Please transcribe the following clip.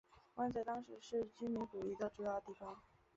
湾仔当时是居民捕鱼的主要地方。